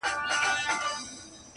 دې مخلوق ته به مي څنګه په زړه کیږم؟!!